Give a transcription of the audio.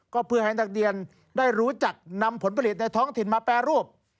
ก็เพื่อให้นักเรียนได้รู้จักนำผลผลิตในท้องถิ่นมาแปรรูป